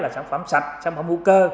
sản phẩm sạch sản phẩm hữu cơ